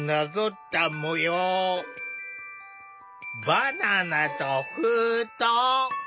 バナナと封筒？